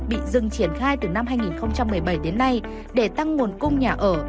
bị dừng triển khai từ năm hai nghìn một mươi bảy đến nay để tăng nguồn cung nhà ở